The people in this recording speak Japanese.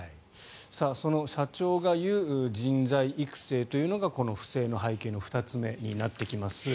その社長が言う人材育成というのがこの不正の背景の２つ目になってきます。